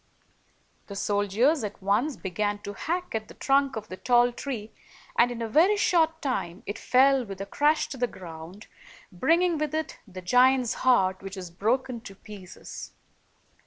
The soldiers at once began to hack at the trunk of the tall tree, and, in a very short time, it fell with a crash to the ground, bringing with it the giant's heart, which was broken to pieces.